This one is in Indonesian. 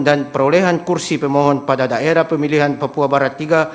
perolehan kursi pemohon pada daerah pemilihan papua barat iii